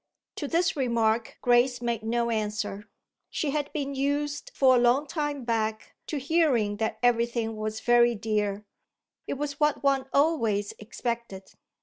To this remark Grace made no answer. She had been used for a long time back to hearing that everything was very dear; it was what one always expected.